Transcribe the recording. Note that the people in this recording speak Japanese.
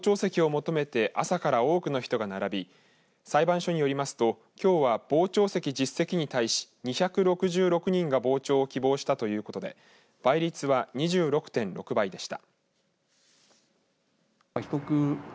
長野地方裁判所では、傍聴席を求めて朝から多くの人らが並び裁判所によりますときょうは傍聴席１０席に対し２６６人が傍聴を希望したということで倍率は２６．６倍でした。